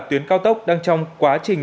tuyến cao tốc đang trong quá trình